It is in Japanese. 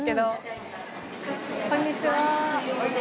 はいこんにちは。